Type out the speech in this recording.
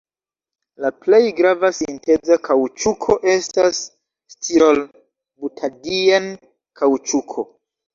La plej grava sinteza kaŭĉuko estas stirol-butadien-kaŭĉuko.